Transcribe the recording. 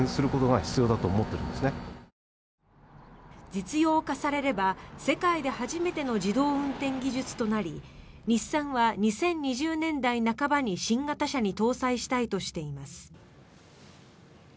実用化されれば世界で初めての自動運転技術となり日産は２０２０年代半ばに新型車に搭載したいとしています。